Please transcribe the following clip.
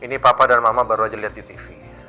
ini papa dan mama baru aja lihat di tv